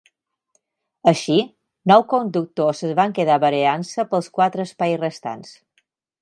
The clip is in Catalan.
Així, nou conductors es van quedar barallant-se pels quatre espais restants.